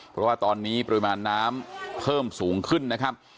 เพราะว่าตอนนี้ปริมาณน้ำเพิ่มสูงขึ้นนะครับ